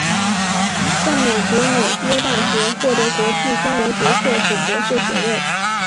在美国纽约大学获得国际经营学硕士博士学位。